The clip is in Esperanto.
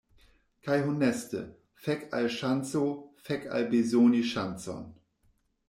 Kaj honeste, fek al ŝanco, fek al bezoni ŝancon.